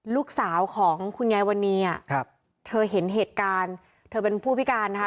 ลูกสาวของคุณยายวันนี้เธอเห็นเหตุการณ์เธอเป็นผู้พิการนะคะ